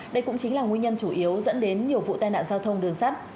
đây cũng chính là nguyên nhân chủ yếu dẫn đến nhiều vụ tai nạn giao thông đường sắt